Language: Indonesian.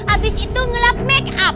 abis itu ngelap make up